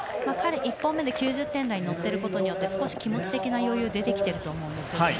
彼は１本目で９０点台に乗っていることで少し気持ち的な余裕が出てきていると思います。